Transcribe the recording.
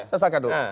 saya sampaikan dulu